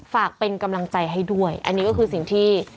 ฝากเป็นกำลังใจให้ด้วยอันนี้ก็คือสิ่งที่